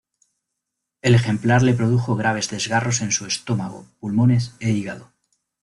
El ejemplar le produjo graves desgarros en su estómago, pulmones, e hígado.